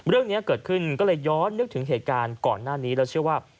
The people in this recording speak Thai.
เรื่องนี้เกิดขึ้นก็เลยย้อนนึกถึงเหตุการณ์ก่อนหน้านี้แล้วเชื่อว่า